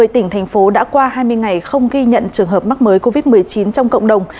một mươi tỉnh thành phố đã qua hai mươi ngày không ghi nhận trường hợp mắc mới covid một mươi chín trong cộng đồng